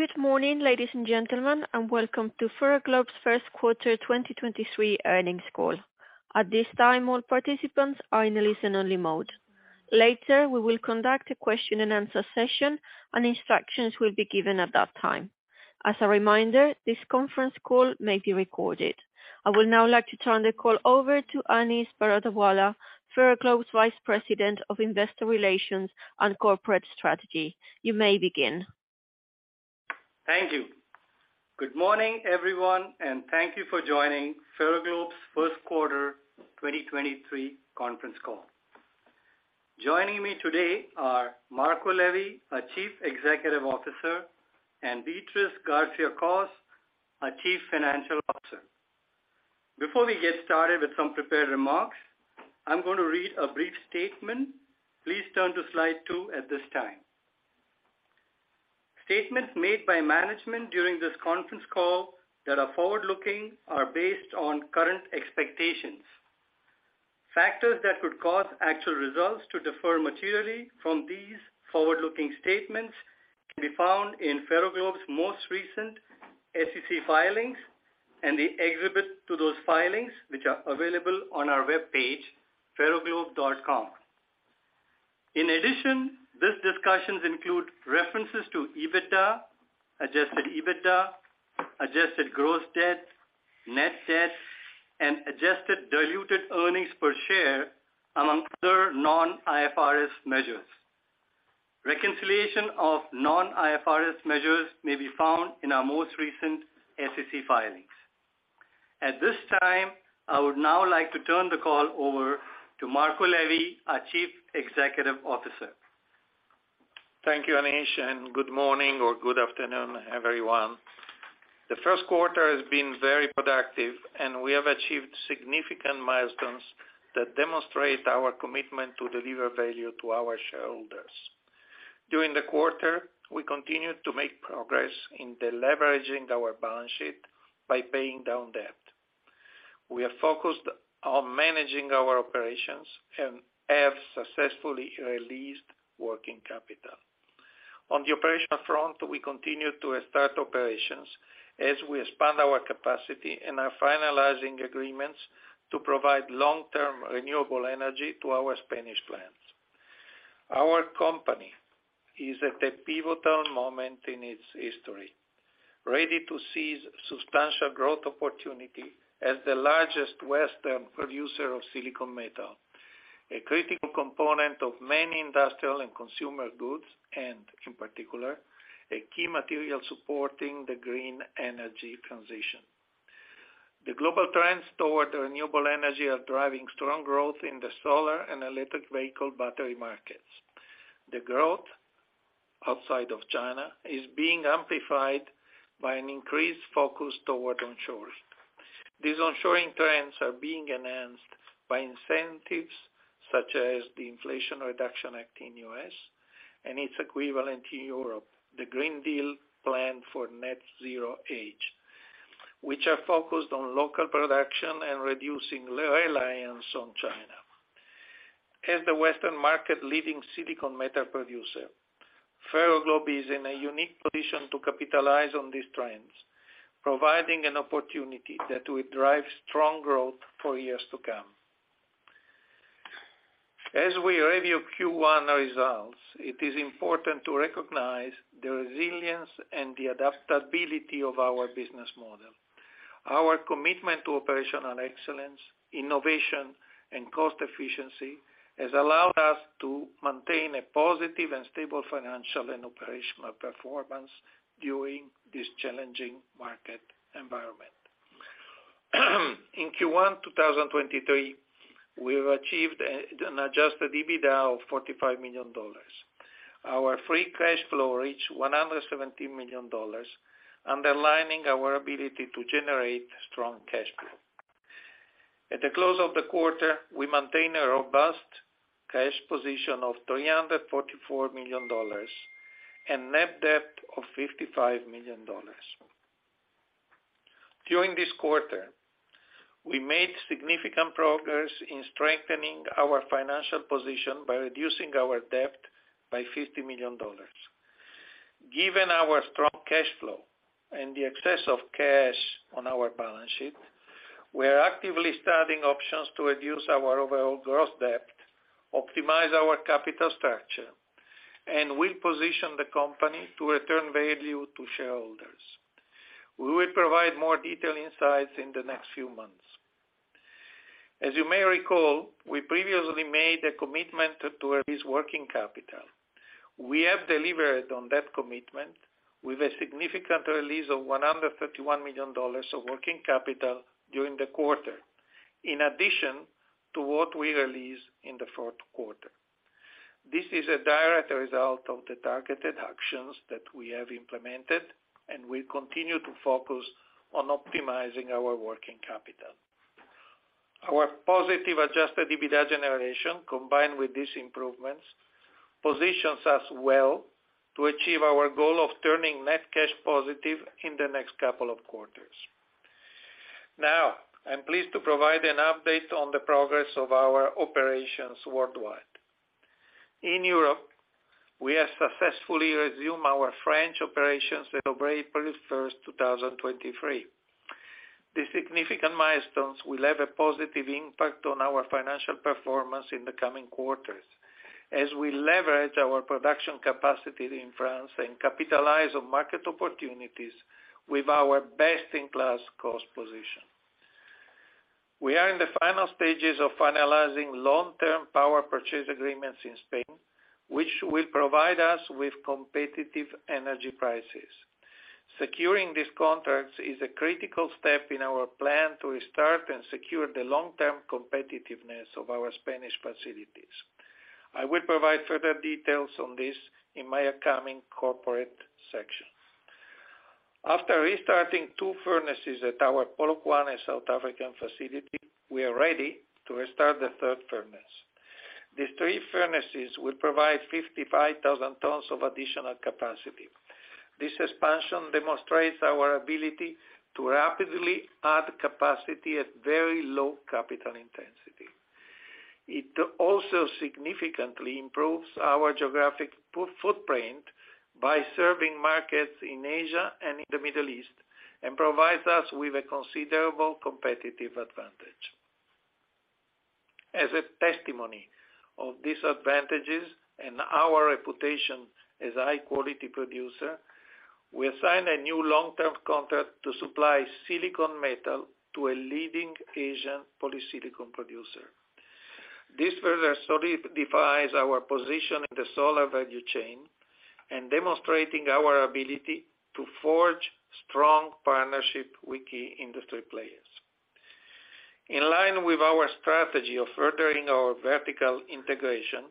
Good morning, ladies and gentlemen, welcome to Ferroglobe's Q1 2023 earnings call. At this time, all participants are in a listen-only mode. Later, we will conduct a question and answer session, instructions will be given at that time. As a reminder, this conference call may be recorded. I would now like to turn the call over to Anis Barodawalla, Ferroglobe's Vice President of Investor Relations and Corporate Strategy. You may begin. Thank you. Good morning, everyone, and thank you for joining Ferroglobe's Q1 2023 conference call. Joining me today are Marco Levi, our Chief Executive Officer, and Beatriz García-Cos, our Chief Financial Officer. Before we get started with some prepared remarks, I'm gonna read a brief statement. Please turn to slide 2 at this time. Statements made by management during this conference call that are forward-looking are based on current expectations. Factors that could cause actual results to differ materially from these forward-looking statements can be found in Ferroglobe's most recent SEC filings and the exhibit to those filings, which are available on our webpage, ferroglobe.com. In addition, these discussions include references to EBITDA, adjusted EBITDA, adjusted gross debt, net debt, and adjusted diluted earnings per share among other non-IFRS measures. Reconciliation of non-IFRS measures may be found in our most recent SEC filings. At this time, I would now like to turn the call over to Marco Levi, our Chief Executive Officer. Thank you, Anis, and good morning or good afternoon, everyone. Q1 has been very productive, and we have achieved significant milestones that demonstrate our commitment to deliver value to our shareholders. During the quarter, we continued to make progress in deleveraging our balance sheet by paying down debt. We are focused on managing our operations and have successfully released working capital. On the operational front, we continue to restart operations as we expand our capacity and are finalizing agreements to provide long-term renewable energy to our Spanish plants. Our company is at a pivotal moment in its history, ready to seize substantial growth opportunity as the largest Western producer of silicon metal, a critical component of many industrial and consumer goods, and in particular, a key material supporting the green energy transition. The global trends toward renewable energy are driving strong growth in the solar and electric vehicle battery markets. The growth outside of China is being amplified by an increased focus toward onshores. These onshoring trends are being enhanced by incentives such as the Inflation Reduction Act in the U.S. and its equivalent in Europe, Green Deal Industrial Plan for the Net-Zero Age, which are focused on local production and reducing the reliance on China. As the Western market leading silicon metal producer, Ferroglobe is in a unique position to capitalize on these trends, providing an opportunity that will drive strong growth for years to come. As we review Q1 results, it is important to recognize the resilience and the adaptability of our business model. Our commitment to operational excellence, innovation, and cost efficiency has allowed us to maintain a positive and stable financial and operational performance during this challenging market environment. In Q1 2023, we have achieved an adjusted EBITDA of $45 million. Our free cash flow reached $117 million, underlining our ability to generate strong cash flow. At the close of the quarter, we maintain a robust cash position of $344 million and net debt of $55 million. During this quarter, we made significant progress in strengthening our financial position by reducing our debt by $50 million. Given our strong cash flow and the excess of cash on our balance sheet, we are actively studying options to reduce our overall gross debt, optimize our capital structure, and will position the company to return value to shareholders. We will provide more detailed insights in the next few months. As you may recall, we previously made a commitment to release working capital. We have delivered on that commitment with a significant release of $131 million of working capital during the quarter, in addition to what we released in Q4. This is a direct result of the targeted actions that we have implemented, and we continue to focus on optimizing our working capital. Our positive adjusted EBITDA generation, combined with these improvements, positions us well to achieve our goal of turning net cash positive in the next couple of quarters. I'm pleased to provide an update on the progress of our operations worldwide. In Europe, we have successfully resumed our French operations until April 1, 2023. The significant milestones will have a positive impact on our financial performance in the coming quarters as we leverage our production capacity in France and capitalize on market opportunities with our best-in-class cost position. We are in the final stages of finalizing long-term power purchase agreements in Spain, which will provide us with competitive energy prices. Securing these contracts is a critical step in our plan to restart and secure the long-term competitiveness of our Spanish facilities. I will provide further details on this in my upcoming corporate section. After restarting two furnaces at our Polokwane South African facility, we are ready to restart the third furnace. These three furnaces will provide 55,000 tons of additional capacity. This expansion demonstrates our ability to rapidly add capacity at very low capital intensity. It also significantly improves our geographic footprint by serving markets in Asia and in the Middle East, and provides us with a considerable competitive advantage. As a testimony of these advantages and our reputation as a high quality producer, we signed a new long-term contract to supply silicon metal to a leading Asian polysilicon producer. This further solidifies our position in the solar value chain and demonstrating our ability to forge strong partnership with key industry players. In line with our strategy of furthering our vertical integration,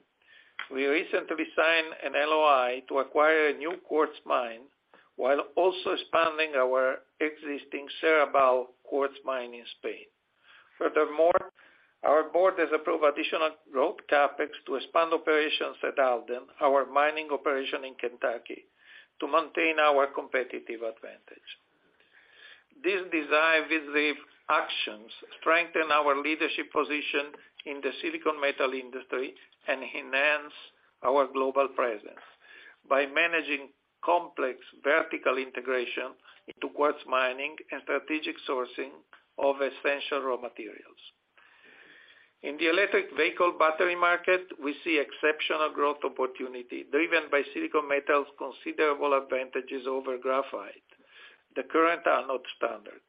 we recently signed an LOI to acquire a new quartz mine while also expanding our existing Serrabal quartz mine in Spain. Our board has approved additional growth CapEx to expand operations at Alden, our mining operation in Kentucky, to maintain our competitive advantage. These decisive actions strengthen our leadership position in the silicon metal industry and enhance our global presence by managing complex vertical integration into quartz mining and strategic sourcing of essential raw materials. In the electric vehicle battery market, we see exceptional growth opportunity driven by silicon metal's considerable advantages over graphite. The current anode standard.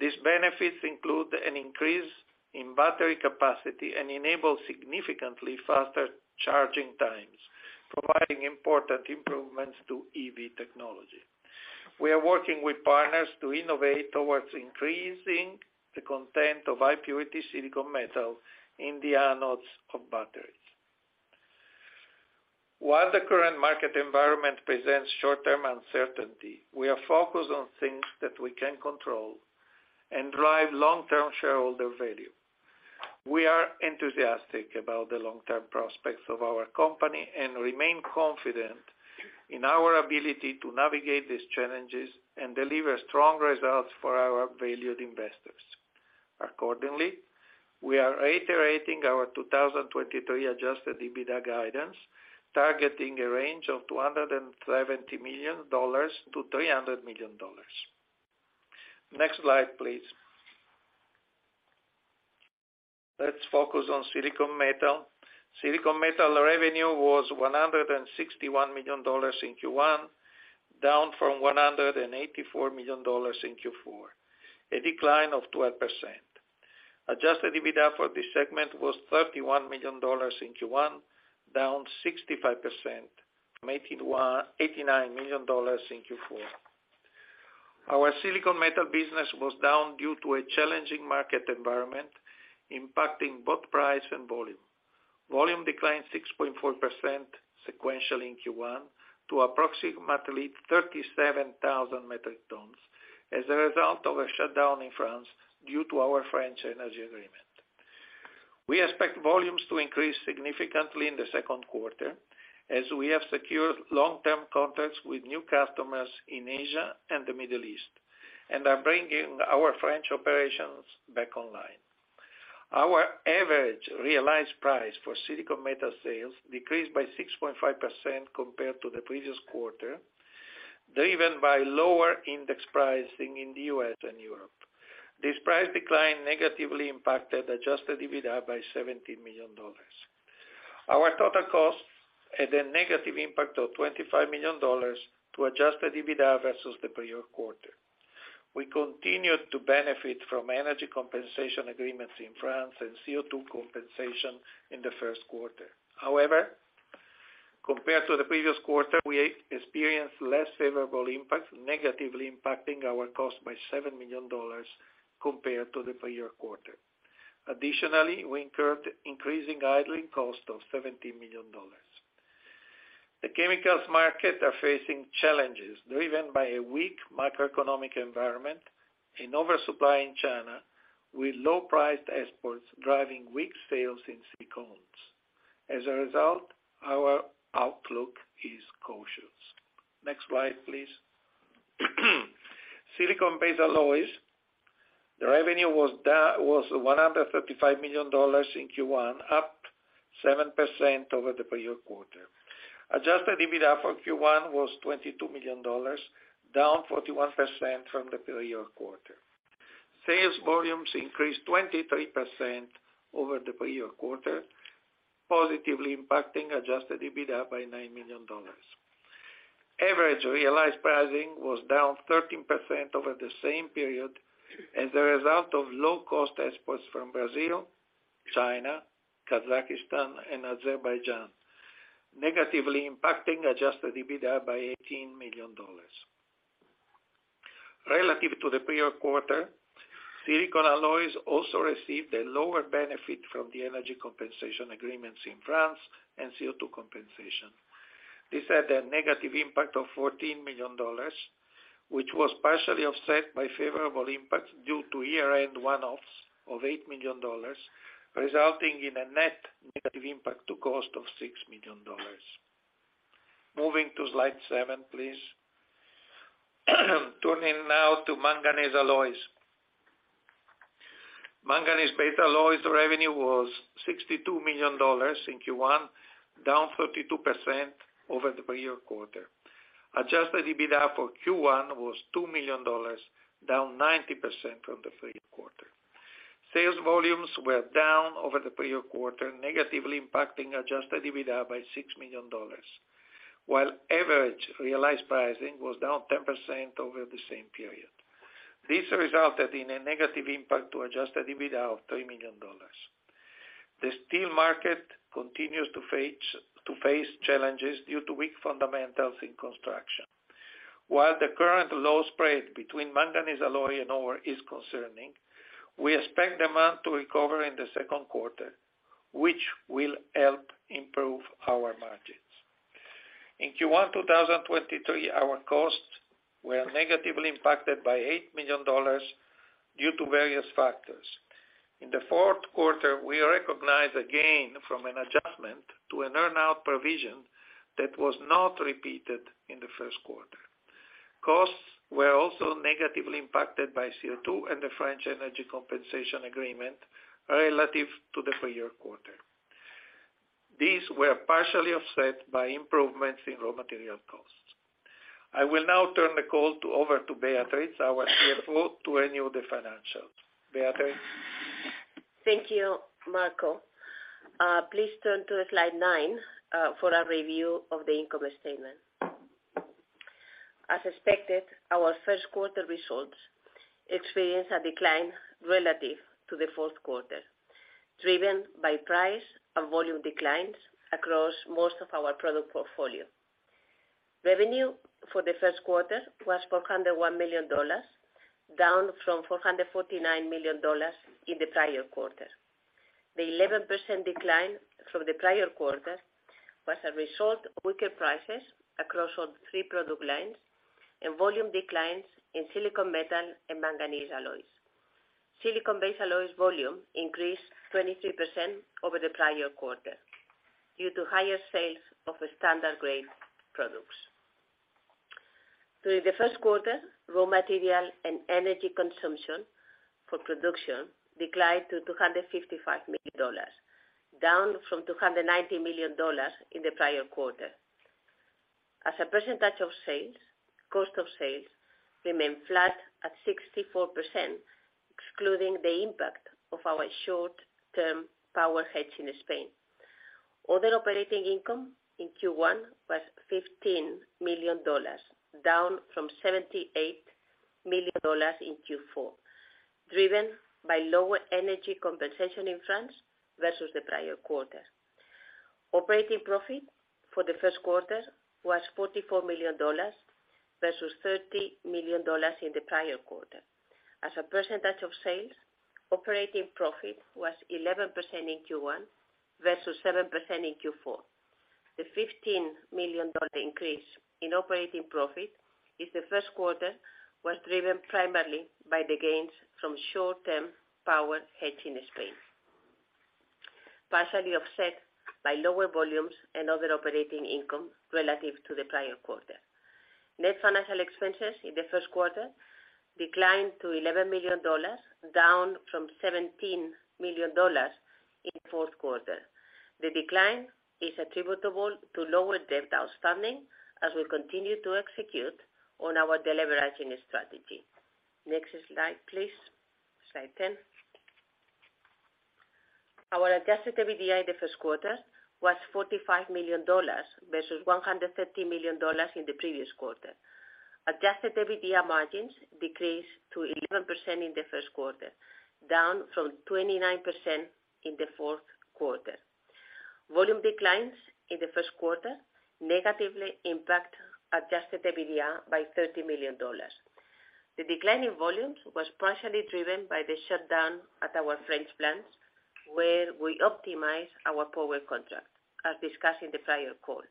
These benefits include an increase in battery capacity and enable significantly faster charging times, providing important improvements to EV technology. We are working with partners to innovate towards increasing the content of high purity silicon metal in the anodes of batteries. While the current market environment presents short-term uncertainty, we are focused on things that we can control and drive long-term shareholder value. We are enthusiastic about the long-term prospects of our company and remain confident in our ability to navigate these challenges and deliver strong results for our valued investors. Accordingly, we are reiterating our 2023 adjusted EBITDA guidance, targeting a range of $270 million-$300 million. Next slide, please. Let's focus on silicon metal. Silicon metal revenue was $161 million in Q1, down from $184 million in Q4, a decline of 12%. Adjusted EBITDA for this segment was $31 million in Q1, down 65% from $89 million in Q4. Our silicon metal business was down due to a challenging market environment, impacting both price and volume. Volume declined 6.4% sequentially in Q1 to approximately 37,000 metric tons as a result of a shutdown in France due to our French energy agreement. We expect volumes to increase significantly in Q2 as we have secured long-term contracts with new customers in Asia and the Middle East, and are bringing our French operations back online. Our average realized price for silicon metal sales decreased by 6.5% compared to the previous quarter, driven by lower index pricing in the U.S. and Europe. This price decline negatively impacted adjusted EBITDA by $17 million. Our total costs had a negative impact of $25 million to adjusted EBITDA versus the prior quarter. We continued to benefit from energy compensation agreements in France and CO2 compensation in Q1. Compared to the previous quarter, we experienced less favorable impacts, negatively impacting our cost by $7 million compared to the prior quarter. We incurred increasing idling cost of $17 million. The chemicals market are facing challenges driven by a weak macroeconomic environment, an oversupply in China with low priced exports, driving weak sales in silicones. Our outlook is cautious. Next slide, please. Silicon-based alloys, the revenue was $135 million in Q1, up 7% over the prior quarter. adjusted EBITDA for Q1 was $22 million, down 41% from the prior quarter. Sales volumes increased 23% over the prior quarter, positively impacting adjusted EBITDA by $9 million. Average realized pricing was down 13% over the same period as a result of low cost exports from Brazil, China, Kazakhstan, and Azerbaijan, negatively impacting adjusted EBITDA by $18 million. Relative to the prior quarter, silicon alloys also received a lower benefit from the energy compensation agreements in France and CO2 compensation. This had a negative impact of $14 million, which was partially offset by favorable impacts due to year-end one-offs of $8 million, resulting in a net negative impact to cost of $6 million. Moving to slide 7, please. Turning now to manganese alloys. Manganese-based alloys revenue was $62 million in Q1, down 32% over the prior quarter. adjusted EBITDA for Q1 was $2 million, down 90% from the prior quarter. Sales volumes were down over the prior quarter, negatively impacting adjusted EBITDA by $6 million, while average realized pricing was down 10% over the same period. This resulted in a negative impact to adjusted EBITDA of $3 million. The steel market continues to face challenges due to weak fundamentals in construction. While the current low spread between manganese alloy and ore is concerning, we expect demand to recover in Q2, which will help improve our margins. In Q1 2023, our costs were negatively impacted by $8 million due to various factors. In Q4, we recognized a gain from an adjustment to an earn-out provision that was not repeated in Q1. Costs were also negatively impacted by CO2 and the French energy compensation agreement relative to the prior quarter. These were partially offset by improvements in raw material costs. I will now turn the call over to Beatriz, our CFO, to renew the financials. Beatriz? Thank you, Marco. Please turn to Slide 9 for a review of the income statement. As expected, our Q1 results experienced a decline relative to Q4, driven by price and volume declines across most of our product portfolio. Revenue for Q1 was $401 million, down from $449 million in the prior quarter. The 11% decline from the prior quarter was a result of weaker prices across all three product lines and volume declines in silicon metal and manganese alloys. Silicon-based alloys volume increased 23% over the prior quarter due to higher sales of standard grade products. During Q1, raw material and energy consumption for production declined to $255 million, down from $290 million in the prior quarter. As a percentage of sales, cost of sales remained flat at 64%, excluding the impact of our short-term power hedge in Spain. Other operating income in Q1 was $15 million, down from $78 million in Q4, driven by lower energy compensation in France versus the prior quarter. Operating profit for Q1 was $44 million versus $30 million in the prior quarter. As a percentage of sales, operating profit was 11% in Q1 versus 7% in Q4. The $15 million increase in operating profit in Q1 was driven primarily by the gains from short-term power hedge in Spain, partially offset by lower volumes and other operating income relative to the prior quarter. Net financial expenses in Q1 declined to $11 million, down from $17 million in Q4. The decline is attributable to lower debt outstanding as we continue to execute on our deleveraging strategy. Next slide, please. Slide 10. Our adjusted EBITDA in Q1 was $45 million versus $130 million in the previous quarter. Adjusted EBITDA margins decreased to 11% in Q1, down from 29% in Q4. Volume declines in Q1 negatively impact adjusted EBITDA by $30 million. The decline in volumes was partially driven by the shutdown at our French plants, where we optimize our power contract, as discussed in the prior call.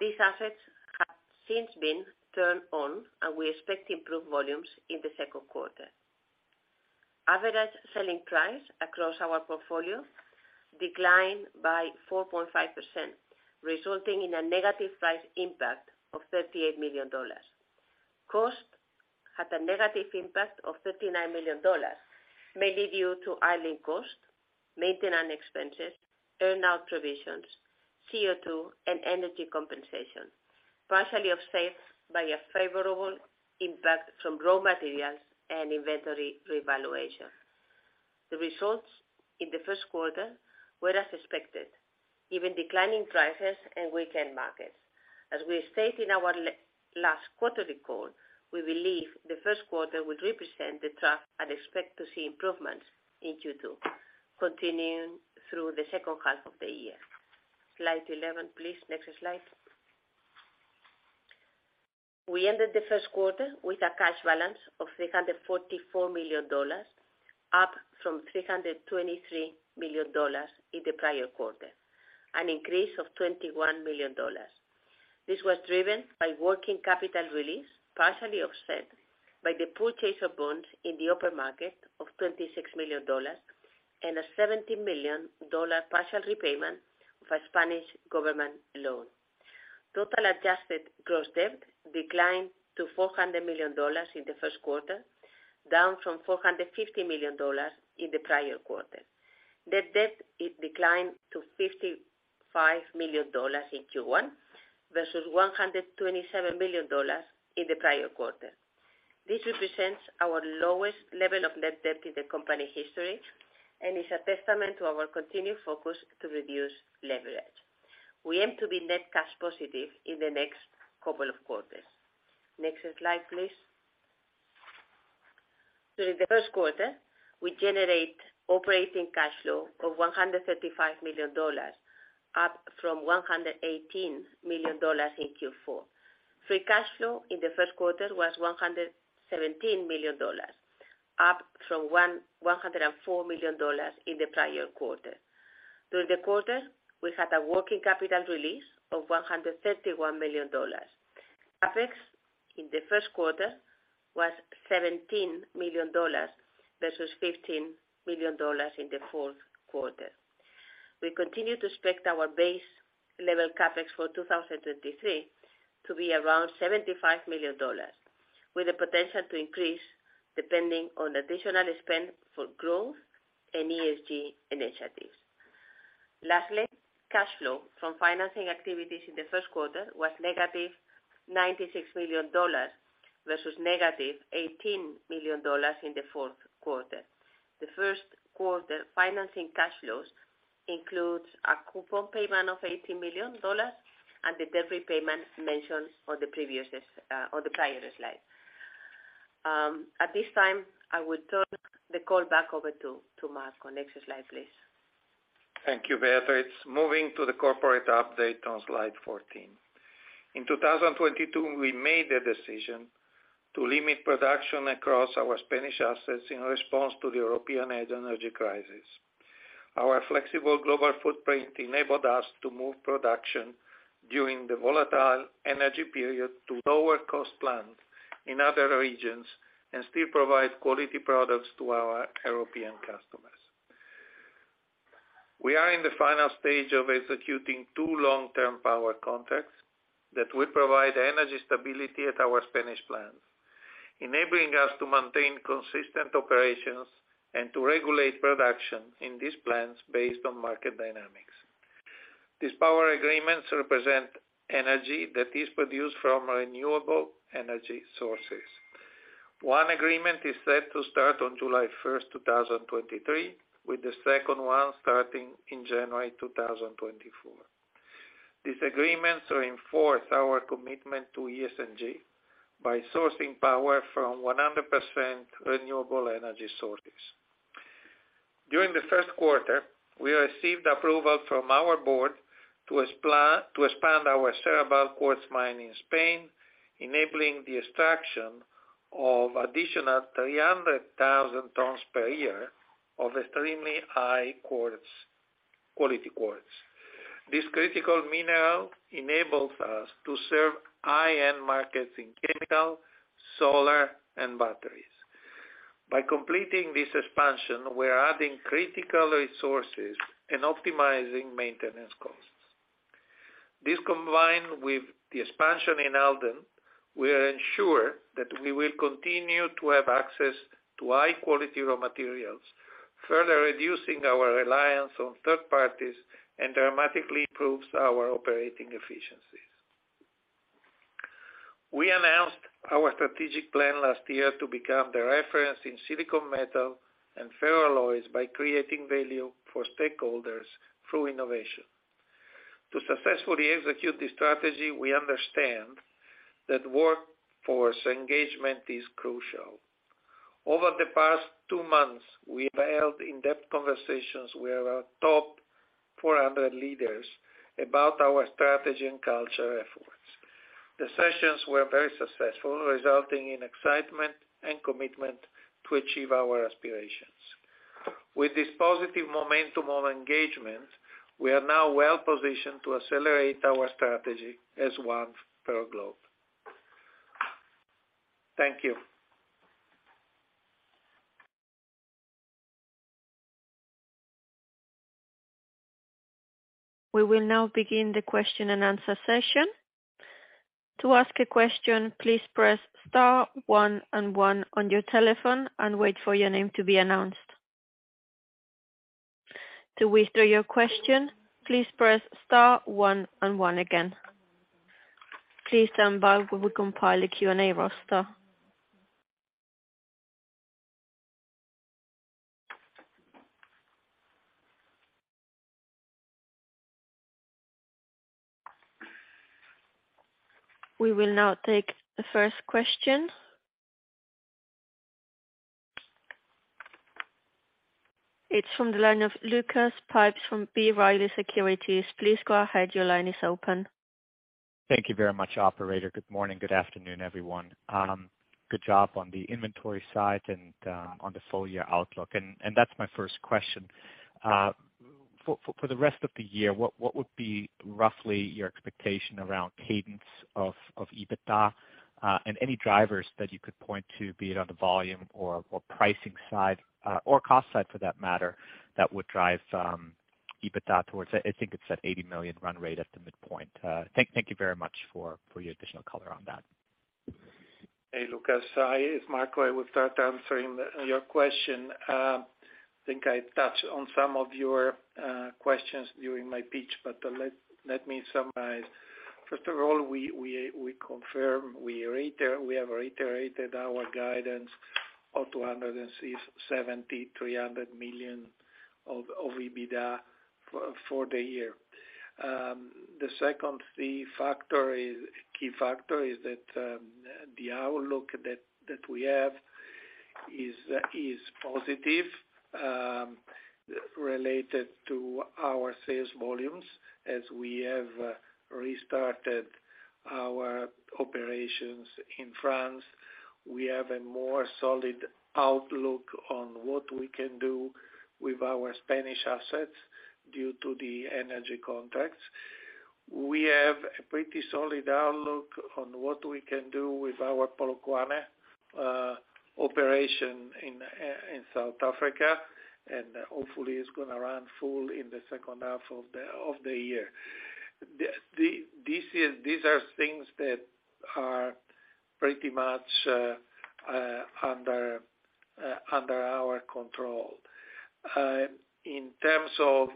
These assets have since been turned on, and we expect to improve volumes in Q2. Average selling price across our portfolio declined by 4.5%, resulting in a negative price impact of $38 million. Cost had a negative impact of $39 million, mainly due to idling costs, maintenance expenses, earn-out provisions, CO2, and energy compensation, partially offset by a favorable impact from raw materials and inventory revaluation. The results in Q1 were as expected, given declining prices and weakened markets. As we stated in our last quarterly call, we believe Q1 would represent the trough and expect to see improvements in Q2, continuing through the second half of the year. Slide 11, please. Next slide. We ended Q1 with a cash balance of $344 million, up from $323 million in the prior quarter, an increase of $21 million. This was driven by working capital release, partially offset by the purchase of bonds in the open market of $26 million and a $70 million partial repayment of a Spanish government loan. Total adjusted gross debt declined to $400 million in Q1, down from $450 million in the prior quarter. Net debt, it declined to $55 million in Q1 versus $127 million in the prior quarter. This represents our lowest level of net debt in the company history and is a testament to our continued focus to reduce leverage. We aim to be net cash positive in the next couple of quarters. Next slide, please. During Q1, we generate operating cash flow of $135 million, up from $118 million in Q4. Free cash flow in Q1 was $117 million, up from $104 million in the prior quarter. During the quarter, we had a working capital release of $131 million. CapEx in Q1 was $17 million versus $15 million in Q4. We continue to expect our base level CapEx for 2023 to be around $75 million, with the potential to increase depending on additional spend for growth and ESG initiatives. Lastly, cash flow from financing activities in Q1 was negative $96 million versus negative $18 million in Q4. Q1 financing cash flows includes a coupon payment of $18 million and the debt repayment mentioned on the prior slide. At this time, I will turn the call back over to Marco. Next slide, please. Thank you, Beatriz. Moving to the corporate update on slide 14. In 2022, we made the decision to limit production across our Spanish assets in response to the European energy crisis. Our flexible global footprint enabled us to move production during the volatile energy period to lower cost plants in other regions and still provide quality products to our European customers. We are in the final stage of executing two long-term power contracts that will provide energy stability at our Spanish plants, enabling us to maintain consistent operations and to regulate production in these plants based on market dynamics. These power agreements represent energy that is produced from renewable energy sources. One agreement is set to start on July first, 2023, with the second one starting in January, 2024. These agreements reinforce our commitment to ESG by sourcing power from 100% renewable energy sources. During Q1, we received approval from our board to expand our Serrabal quartz mine in Spain, enabling the extraction of additional 300,000 tons per year of extremely high-quality quartz. This critical mineral enables us to serve high-end markets in chemical, solar, and batteries. By completing this expansion, we are adding critical resources and optimizing maintenance costs. This, combined with the expansion in Alden, will ensure that we will continue to have access to high-quality raw materials, further reducing our reliance on third parties and dramatically improves our operating efficiencies. We announced our strategic plan last year to become the reference in silicon metal and ferroalloys by creating value for stakeholders through innovation. To successfully execute this strategy, we understand that workforce engagement is crucial. Over the past two months, we have held in-depth conversations with our top 400 leaders about our strategy and culture efforts. The sessions were very successful, resulting in excitement and commitment to achieve our aspirations. With this positive momentum on engagement, we are now well positioned to accelerate our strategy as one Ferroglobe. Thank you. We will now begin the question-and-answer session. To ask a question, please press star one and one on your telephone and wait for your name to be announced. To withdraw your question, please press star one and one again. Please stand by while we compile a Q&A roster. We will now take the first question. It is from the line of Lucas Pipes from B. Riley Securities. Please go ahead. Your line is open. Thank you very much, operator. Good morning, good afternoon, everyone. Good job on the inventory side and on the full year outlook. That's my first question. For the rest of the year, what would be roughly your expectation around cadence of EBITDA, and any drivers that you could point to, be it on the volume or pricing side, or cost side for that matter, that would drive EBITDA towards, I think it's at $80 million run rate at the midpoint. Thank you very much for your additional color on that. Hey, Lucas. Hi, it's Marco. I will start answering your question. I think I touched on some of your questions during my pitch. Let me summarize. First of all, we confirm, we reiterate, we have reiterated our guidance of $270 million-$300 million of EBITDA for the year. The second key factor is that the outlook that we have is positive related to our sales volumes as we have restarted our operations in France. We have a more solid outlook on what we can do with our Spanish assets due to the energy contracts. We have a pretty solid outlook on what we can do with our Polokwane operation in South Africa. Hopefully it's gonna run full in the second half of the year. These are things that are pretty much under our control. In terms of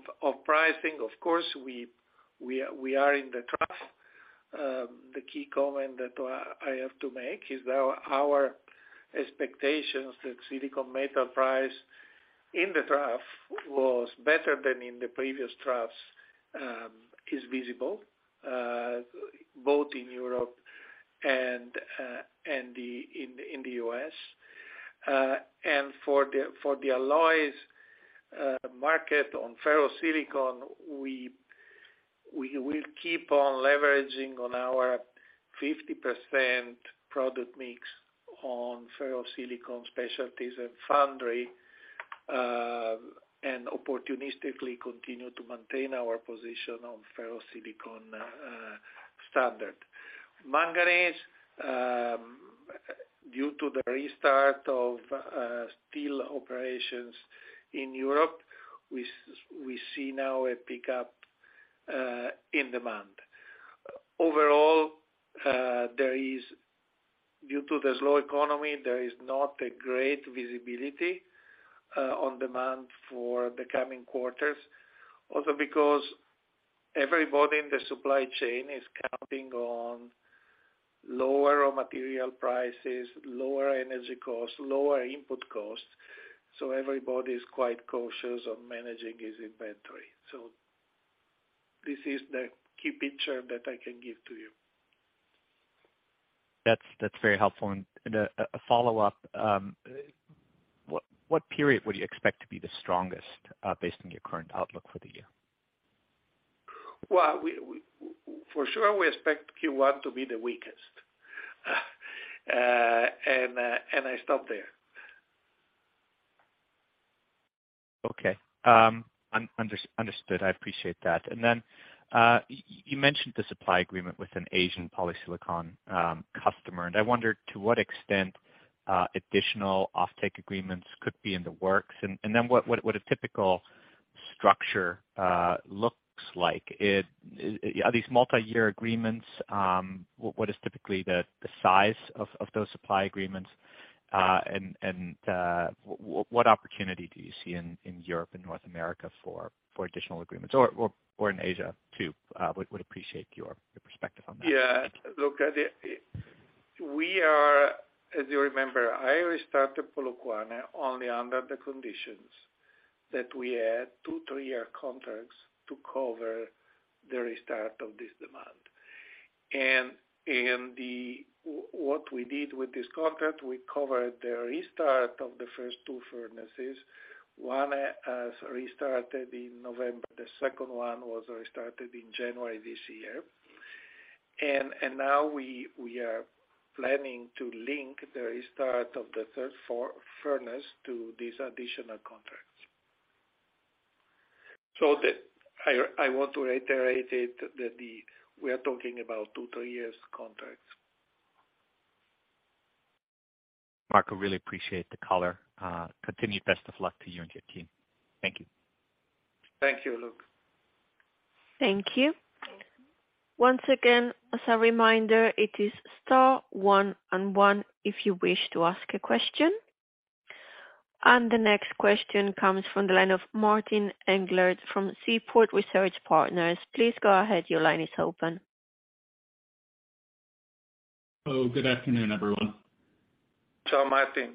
pricing, of course, we are in the trough. The key comment that I have to make is our expectations that silicon metal price in the trough was better than in the previous troughs, is visible both in Europe and in the US. For the alloys market on ferrosilicon, we will keep on leveraging on our 50% product mix on ferrosilicon specialties and foundry, and opportunistically continue to maintain our position on ferrosilicon standard. Manganese, due to the restart of steel operations in Europe, we see now a pickup in demand. Overall, due to the slow economy, there is not a great visibility on demand for the coming quarters. Because everybody in the supply chain is counting on lower raw material prices, lower energy costs, lower input costs, so everybody is quite cautious on managing its inventory. This is the key picture that I can give to you. That's very helpful. A follow-up, what period would you expect to be the strongest, based on your current outlook for the year? Well, we for sure we expect Q1 to be the weakest. I stop there. Okay. Understood. I appreciate that. Then, you mentioned the supply agreement with an Asian polysilicon customer. I wondered to what extent additional offtake agreements could be in the works. Then what a typical structure looks like. Are these multiyear agreements? What is typically the size of those supply agreements? What opportunity do you see in Europe and North America for additional agreements or in Asia too? Would appreciate your perspective on that. Look, as you remember, I restarted Polokwane only under the conditions that we had 2, 3-year contracts to cover the restart of this demand. What we did with this contract, we covered the restart of the first 2 furnaces. One has restarted in November, the second one was restarted in January this year. Now we are planning to link the restart of the third furnace to these additional contracts. I want to reiterate that we are talking about 2, 3 years contracts. Marco, really appreciate the color. Continued best of luck to you and your team. Thank you. Thank you, Lucas. Thank you. Once again, as a reminder, it is star one and one if you wish to ask a question. The next question comes from the line of Martin Englert from Seaport Research Partners. Please go ahead. Your line is open. Hello, good afternoon, everyone. Ciao, Martin.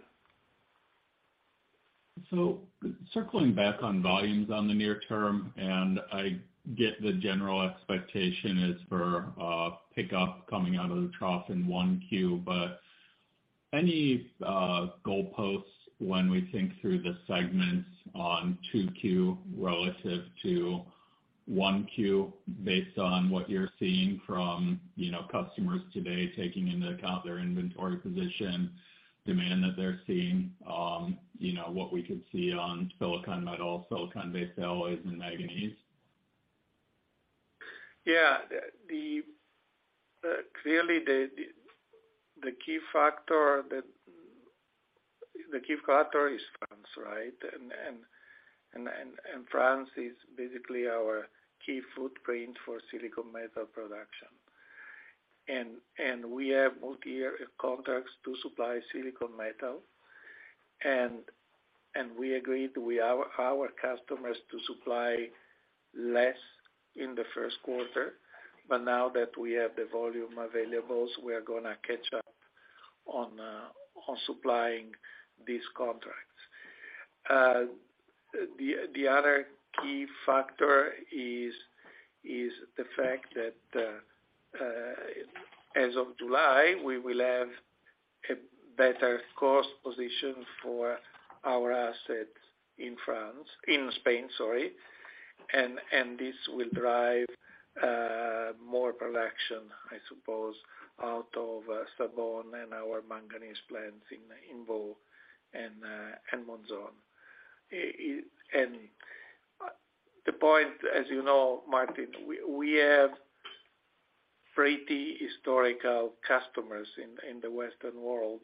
Circling back on volumes on the near term, and I get the general expectation is for pickup coming out of the trough in 1Q. Any goalposts when we think through the segments on 2Q relative to 1Q based on what you're seeing from, you know, customers today, taking into account their inventory position, demand that they're seeing, you know, what we could see on silicon metal, silicon-based alloys and manganese? Clearly the key factor is France, right? France is basically our key footprint for silicon metal production. We have multi-year contracts to supply silicon metal. We agreed with our customers to supply less in Q1, but now that we have the volume available, we are going to catch up on supplying these contracts. The other key factor is the fact that as of July, we will have a better cost position for our assets in Spain. This will drive more production, I suppose, out of Sabón and our manganese plants in Boo and Monzón. The point as you know, Martin, we have pretty historical customers in the Western world.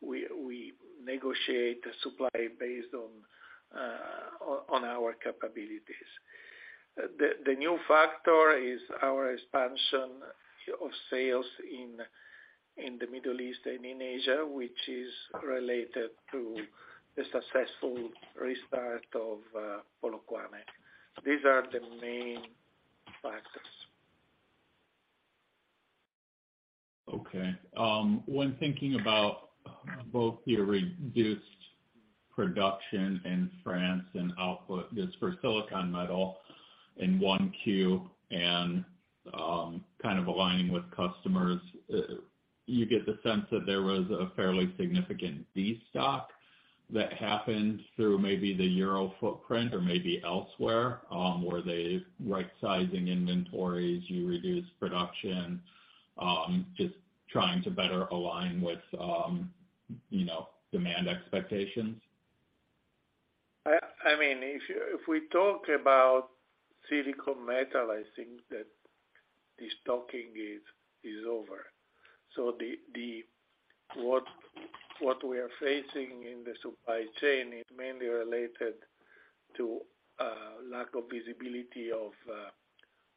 We negotiate supply based on our capabilities. The new factor is our expansion of sales in the Middle East and in Asia, which is related to the successful restart of Polokwane. These are the main factors. Okay. When thinking about both the reduced production in France and output just for silicon metal in 1Q and kind of aligning with customers, you get the sense that there was a fairly significant destock that happened through maybe the Euro footprint or maybe elsewhere, where they're rightsizing inventories, you reduce production, just trying to better align with, you know, demand expectations. I mean, if we talk about silicon metal, I think that the stocking is over. What we are facing in the supply chain is mainly related to lack of visibility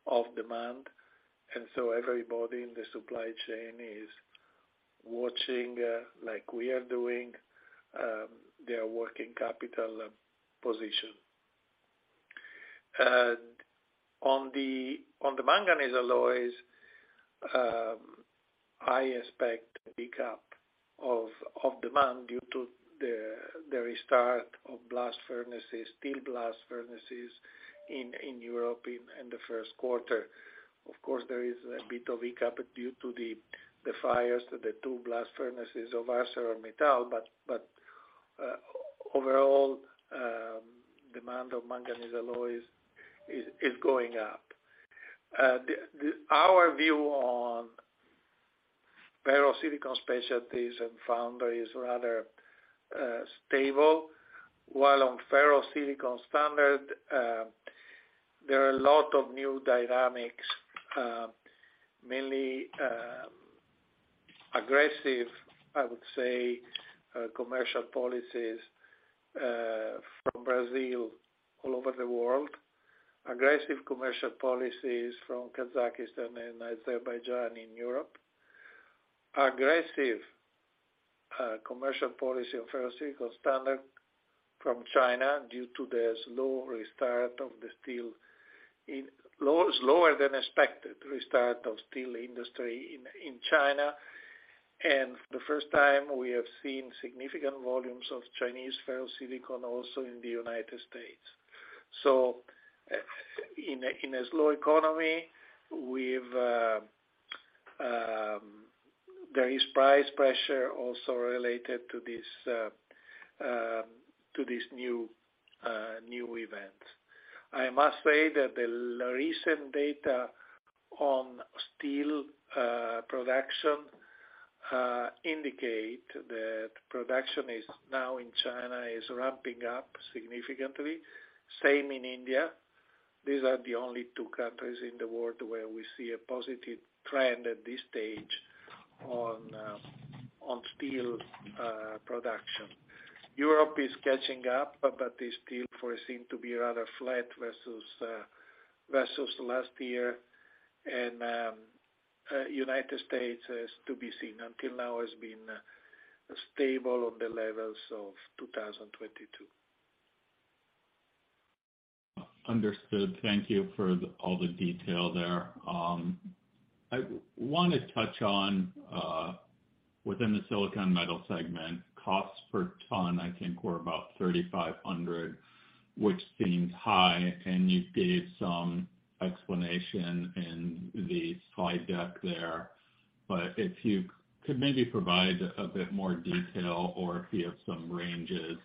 of demand. Everybody in the supply chain is watching, like we are doing, their working capital position. On the manganese alloys, I expect pick up of demand due to the restart of blast furnaces, steel blast furnaces in Europe in Q1. Of course, there is a bit of hiccup due to the fires to the 2 blast furnaces of ArcelorMittal, but overall, demand of manganese alloys is going up. Our view on ferrosilicon specialties and foundry is rather stable. While on ferrosilicon standard, there are a lot of new dynamics, mainly, aggressive, I would say, commercial policies, from Brazil all over the world. Aggressive commercial policies from Kazakhstan and Azerbaijan in Europe. Aggressive commercial policy on ferrosilicon standard from China due to the slower than expected restart of steel industry in China. The first time we have seen significant volumes of Chinese ferrosilicon also in the United States. In a slow economy, we've price pressure also related to this, to this new event. I must say that the recent data on steel production indicate that production is now in China is ramping up significantly. Same in India. These are the only 2 countries in the world where we see a positive trend at this stage on steel, production. Europe is catching up, but the steel flow seem to be rather flat versus last year. United States is to be seen. Until now it's been, stable on the levels of 2022. Understood. Thank you for all the detail there. I wanna touch on within the silicon metal segment, costs per ton, I think were about 3,500, which seems high, and you gave some explanation in the slide deck there. If you could maybe provide a bit more detail or if you have some ranges.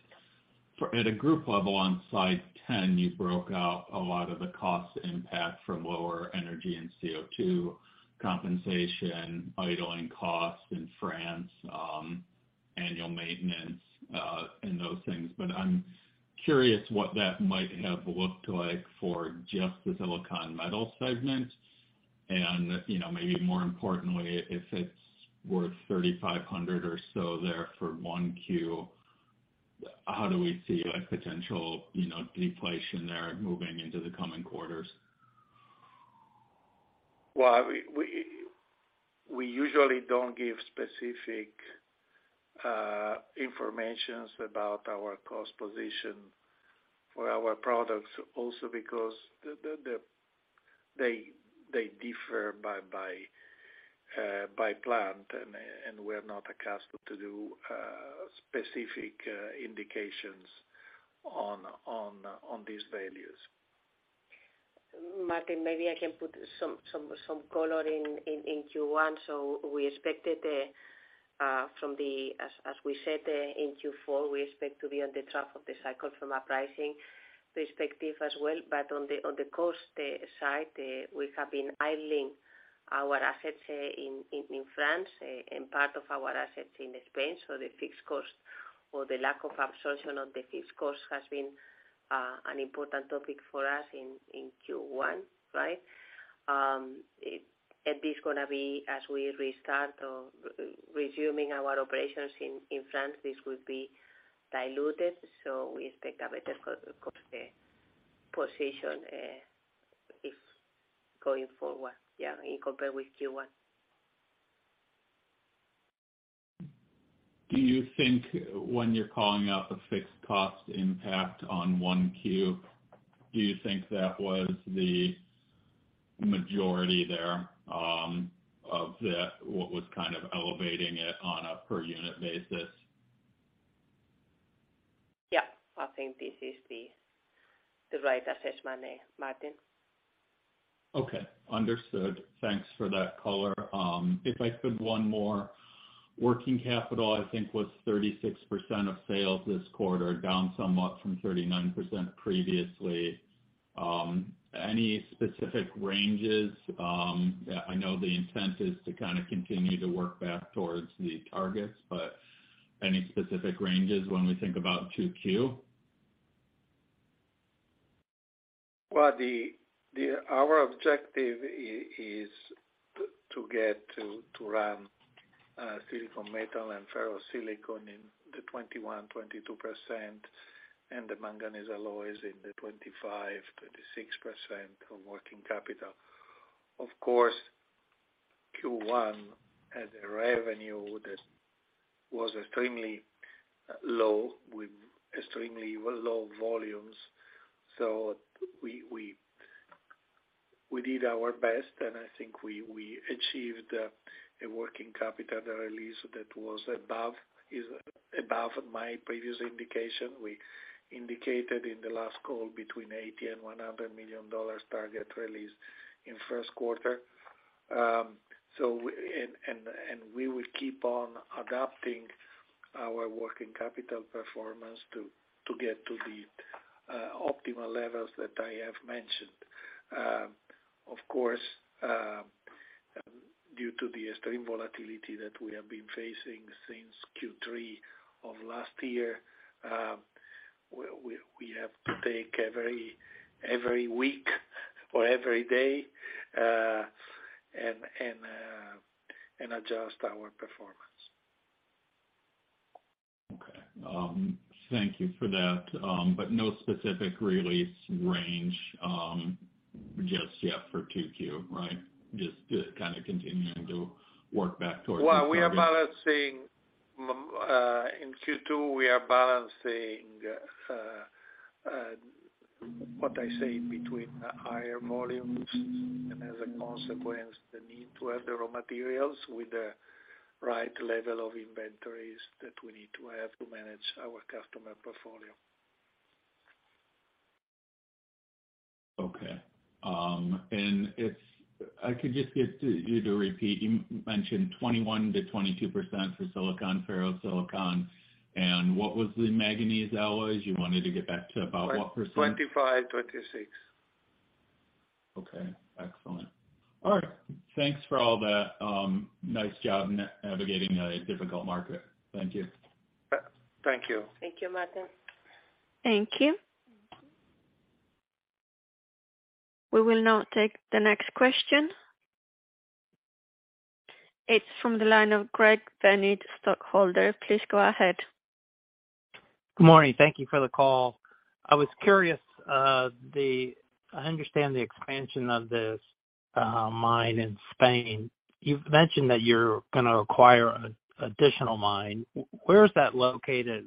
For at a group level on slide 10, you broke out a lot of the cost impact from lower energy and CO2 compensation, idling costs in France, annual maintenance, and those things. I'm curious what that might have looked like for just the silicon metal segment. You know, maybe more importantly, if it's worth 3,500 or so there for 1Q, how do we see like potential, you know, deflation there moving into the coming quarters? Well, we usually don't give specific informations about our cost position for our products, also because the they differ by plant, and we're not accustomed to do specific indications on these values. Martin, maybe I can put some color in Q1. We expected, as we said in Q4, we expect to be on the top of the cycle from a pricing perspective as well. On the cost side, we have been idling our assets in France and part of our assets in Spain. The fixed cost or the lack of absorption of the fixed cost has been an important topic for us in Q1, right? This gonna be as we restart or resuming our operations in France, this will be diluted, we expect a better co-cost position if going forward in compare with Q1. Do you think when you're calling out a fixed cost impact on 1Q, do you think that was the majority there, of the, what was kind of elevating it on a per unit basis? Yeah, I think this is the right assessment, Martin. Okay. Understood. Thanks for that color. If I could one more. Working capital I think was 36% of sales this quarter, down somewhat from 39% previously. Any specific ranges, I know the intent is to kind of continue to work back towards the targets, but any specific ranges when we think about 2Q? Our objective is to run silicon metal and ferrosilicon in the 21%-22%, and the manganese alloys in the 25%-26% of working capital. Of course, Q1 had a revenue that was extremely low with extremely low volumes. We did our best, and I think we achieved a working capital release that is above my previous indication. We indicated in the last call between $80 million and $100 million target release in Q1. We will keep on adapting our working capital performance to get to the optimal levels that I have mentioned. Of course, due to the extreme volatility that we have been facing since Q3 of last year, we have to take every week or every day, and adjust our performance. Okay. Thank you for that. No specific release range, just yet for 2Q, right? Just kinda continuing to work back towards the target. Well, in Q2, we are balancing between higher volumes and as a consequence, the need to have the raw materials with the right level of inventories that we need to have to manage our customer portfolio. Okay. If I could just get you to repeat, you mentioned 21%-22% for silicon, ferrosilicon. What was the manganese alloys you wanted to get back to about what %? 25, 26. Okay. Excellent. All right. Thanks for all that. nice job navigating a difficult market. Thank you. Thank you. Thank you, Martin. Thank you. We will now take the next question. It's from the line of Greg Benoit, stockholder. Please go ahead. Good morning. Thank you for the call. I was curious, I understand the expansion of this mine in Spain. You've mentioned that you're gonna acquire additional mine. Where is that located?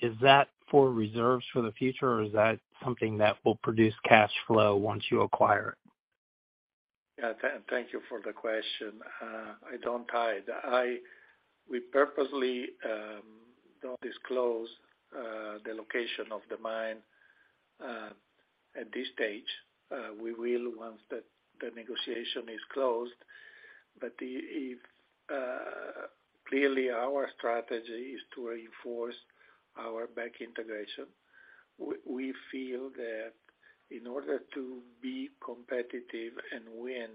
Is that for reserves for the future, or is that something that will produce cash flow once you acquire it? Yeah. Thank you for the question. I don't hide. We purposely don't disclose the location of the mine at this stage. We will once the negotiation is closed. If clearly our strategy is to reinforce our back integration. We feel that in order to be competitive and win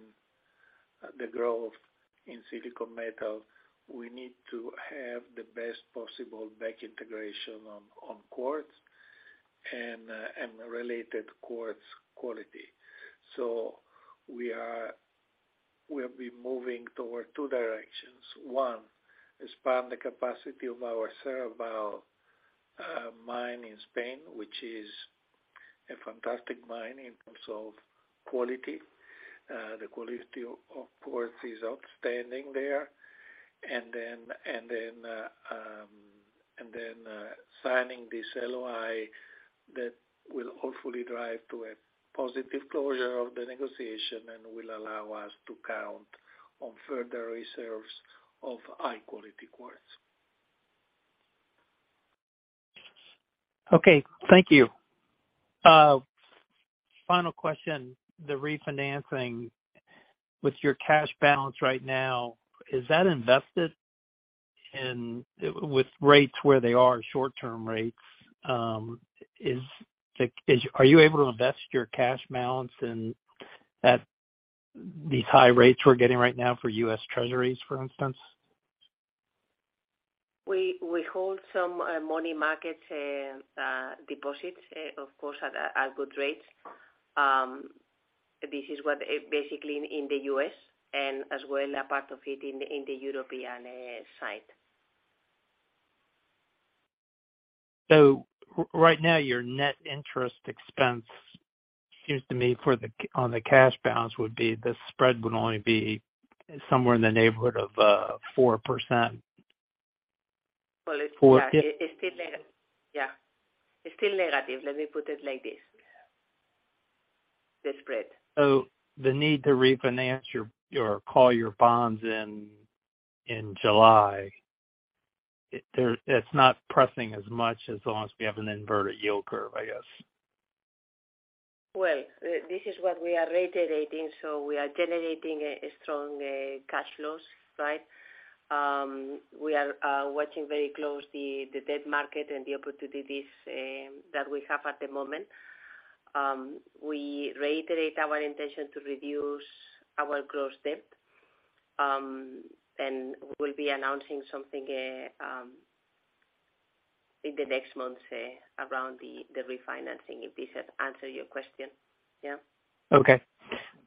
the growth in silicon metal, we need to have the best possible back integration on quartz and related quartz quality. We'll be moving toward two directions. One, expand the capacity of our Serrabal mine in Spain, which is a fantastic mine in terms of quality. The quality of course is outstanding there. signing this LOI that will hopefully drive to a positive closure of the negotiation and will allow us to count on further reserves of high quality quartz. Okay. Thank you. Final question. The refinancing with your cash balance right now, is that invested in, with rates where they are short-term rates, are you able to invest your cash balance in, at these high rates we're getting right now for US Treasuries, for instance? We hold some money markets and deposits, of course, at good rates. This is what basically in the U.S. and as well a part of it in the European side. Right now, your net interest expense seems to me for the on the cash balance would be, the spread would only be somewhere in the neighborhood of 4%. Well. Four- Yeah. It's still negative, let me put it like this, the spread. The need to refinance your, or call your bonds in July, it's not pressing as much as long as we have an inverted yield curve, I guess. Well, this is what we are reiterating. We are generating a strong, cash flows, right? We are watching very close the debt market and the opportunities that we have at the moment. We reiterate our intention to reduce our gross debt. We'll be announcing something in the next months around the refinancing, if this has answered your question. Yeah.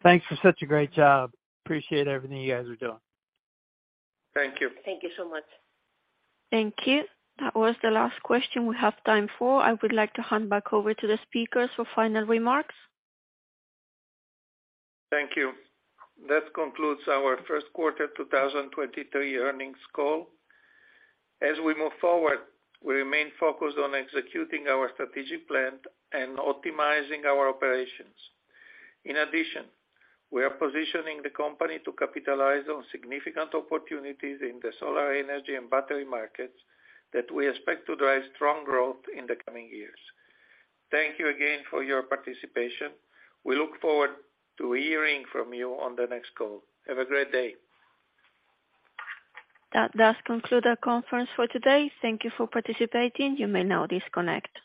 Thanks for such a great job. Appreciate everything you guys are doing. Thank you. Thank you so much. Thank you. That was the last question we have time for. I would like to hand back over to the speakers for final remarks. Thank you. That concludes our Q1 2023 earnings call. As we move forward, we remain focused on executing our strategic plan and optimizing our operations. In addition, we are positioning the company to capitalize on significant opportunities in the solar energy and battery markets that we expect to drive strong growth in the coming years. Thank you again for your participation. We look forward to hearing from you on the next call. Have a great day. That does conclude our conference for today. Thank you for participating. You may now disconnect.